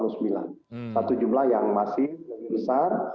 satu jumlah yang masih lebih besar